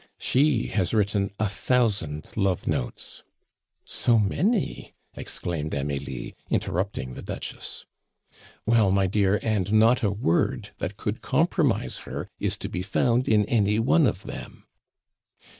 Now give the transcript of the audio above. "She has written a thousand love notes " "So many!" exclaimed Amelie, interrupting the Duchess. "Well, my dear, and not a word that could compromise her is to be found in any one of them."